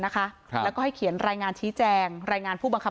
แล้วก็ให้เขียนรายงานชี้แจงรายงานผู้บังคับ